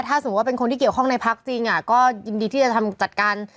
ถ้าสมมุติว่าเป็นคนที่เกี่ยวข้องในพักจริงก็ยินดีที่จะทำจัดการ